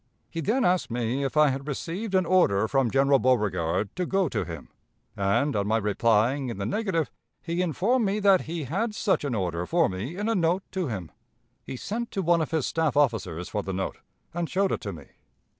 He then asked me if I had received an order from General Beauregard to go to him, and, on my replying in the negative, he informed me that he had such an order for me in a note to him. He sent to one of his staff officers for the note, and showed it to me.